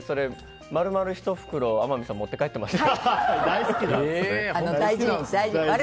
この間、麩菓子丸々１袋天海さん持って帰ってました。